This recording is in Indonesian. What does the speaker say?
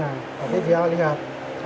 nanti dia lihat